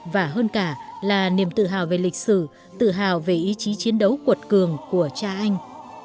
và hơn cả là niềm tự hào về lịch sử tự hào về ý chí chiến đấu cuột cường của cha anh